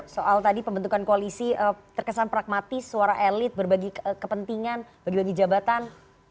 soal tadi pembentukan koalisi terkesan pragmatis suara elit berbagi kepentingan bagi bagi jabatan